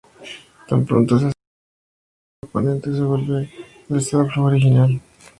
Tan pronto se hace impacto con el oponente se vuelve al estado flojo original.